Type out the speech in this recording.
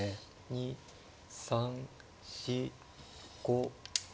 ２３４５６。